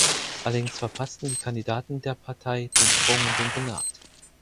Allerdings verpassten die Kandidaten der Partei den Sprung in den Senat.